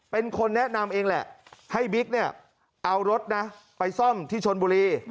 เป็นคนแนะนำเองแหละให้บิ๊กเนี่ยเอารถนะไปซ่อมที่ชนบุรี